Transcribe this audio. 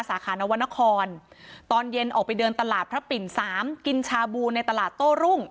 สาขานวรรณครตอนเย็นออกไปเดินตลาดพระปิ่นสามกินชาบูในตลาดโต้รุ่ง